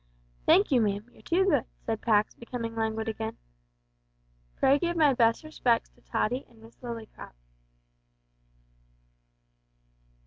"Thank you, ma'am. You're too good," said Pax, becoming languid again. "Pray give my best respects to Tottie and Miss Lillycrop."